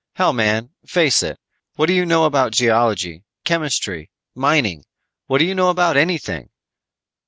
Hell, man, face it. What do you know about geology, chemistry, mining? What do you know about anything?"